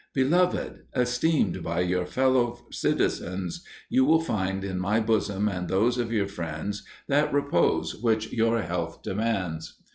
Beloved, esteemed by your fellow citizens, you will find in my bosom and those of your friends, that repose which your health demands.